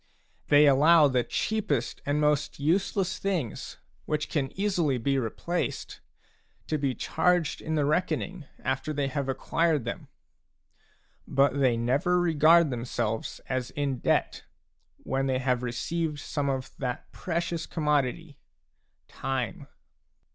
They allow the cheapest and most useless things, which can easily be replaced, to be charged in the reckoning, after they have acquired them ; but they never regard themselves as in debt when they have received some of that precious commodity, — time